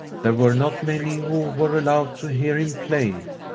There were not many who were allowed to hear him play.